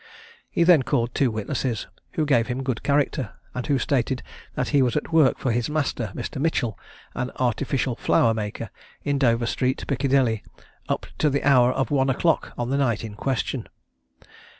He then called two witnesses, who gave him a good character; and who stated that he was at work for his master, Mr. Mitchell, an artificial flower maker, in Dover street, Piccadilly, up to the hour of one o'clock on the night in question.